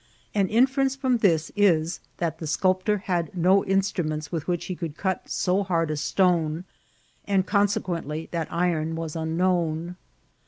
An inference from this is, that the sculptor had no instruments with which he could cut so hard a stone, and, consequently, that iron was un known.